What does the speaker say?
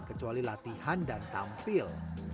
kecuali latihan dan tampil